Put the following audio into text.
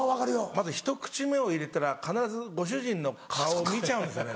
まずひと口目を入れたら必ずご主人の顔を見ちゃうんですよね